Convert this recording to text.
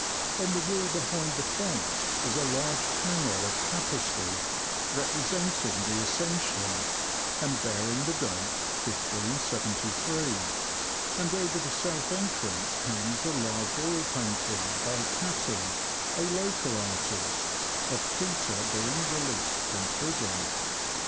On the wall behind the font is a large panel of tapestry, representing the Ascension, and bearing the date 1573 ; and over the south entrance hangs a large oil painting, by Catton, a local artist, of Peter being released from prison.